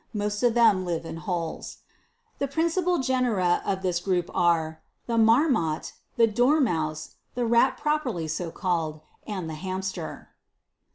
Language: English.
Most of them live in holes. 26. The principal genera of this group are, the Marmot, the Dormouse, the Rat properly so called, and tne Hamster.